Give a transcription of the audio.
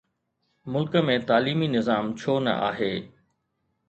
ملڪ ۾ تعليمي نظام ڇو نه آهي؟